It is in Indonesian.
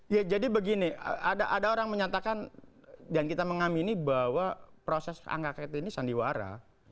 ya jadi begini ada orang menyatakan dan kita mengamini bahwa proses angket ini sandiwara